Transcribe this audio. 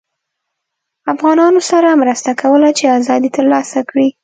افغانانوسره مرسته کوله چې ازادي ترلاسه کړي